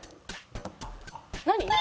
何？